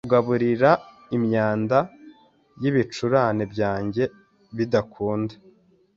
kugaburira imyanda y'ibicurane byanjye bidakunda